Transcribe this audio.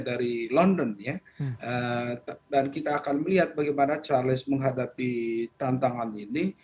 jadi kita akan melihat bagaimana raja charles menghadapi tantangan ini